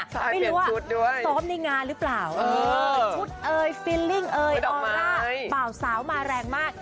ไม่รู้ว่าซ้อมในงานหรือเปล่าชุดเอยฟิลลิ่งเอยออร่าบ่าวสาวมาแรงมาก